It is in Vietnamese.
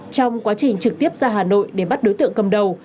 trong quá trình trực tiếp ra hà nội để bắt đối tượng cầm đầu